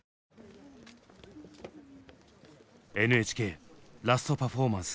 ＮＨＫラストパフォーマンス。